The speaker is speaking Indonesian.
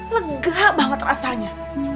lega banget rasanya